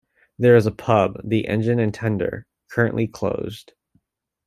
There is a pub - the "Engine and Tender" - currently closed.